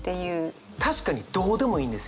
確かにどうでもいいんですよ。